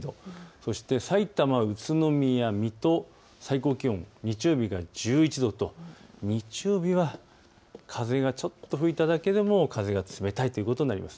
そしてさいたま宇都宮、水戸、最高気温日曜日が１１度と日曜日は風がちょっと吹いただけでも風が冷たいということになります。